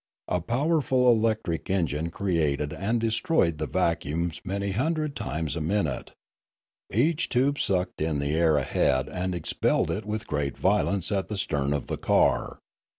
A power ful electric engine created and destroyed the vacuums many hundred times a minute. Each tube sucked in the air ahead and expelled it with great violence at the stern of the car.